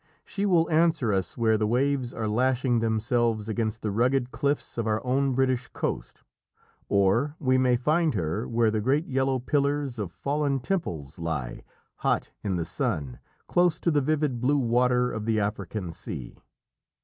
She will answer us where the waves are lashing themselves against the rugged cliffs of our own British coast, or we may find her where the great yellow pillars of fallen temples lie hot in the sun close to the vivid blue water of the African sea.